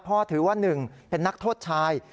ถือว่า๑เป็นนักโทษชาย